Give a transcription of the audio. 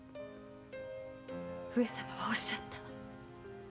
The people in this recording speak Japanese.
上様はおっしゃった。